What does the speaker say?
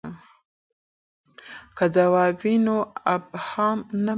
که ځواب وي نو ابهام نه پاتیږي.